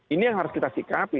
ini yang harus kita sikapi